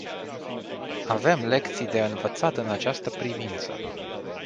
Avem lecții de învățat în această privință.